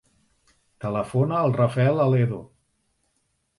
Telefona al Rafael Aledo.